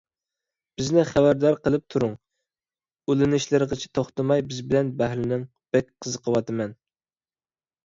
بىزنى خەۋەردار قىلىپ تۇرۇڭ. ئۇلىنىشلىرىغىچە توختىماي بىز بىلەن بەھرىلىنىڭ، بەك قىزىقىۋاتىمەن